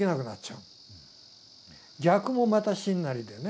逆もまた真なりでね。